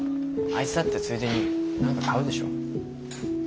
あいつだってついでに何か買うでしょ。